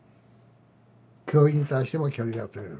教員に対しても距離が取れる。